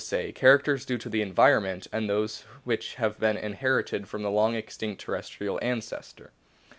say, characters due to the environment and those which have been inherited from the long extinct terrestrial ancestor.